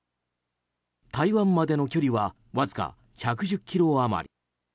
台湾までの距離はわずか１１０ｋｍ余り。